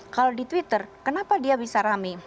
kalau di twitter kenapa dia bisa rame